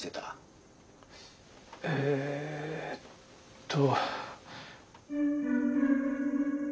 えっと。